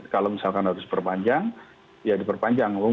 kalau misalkan harus diperpanjang ya diperpanjang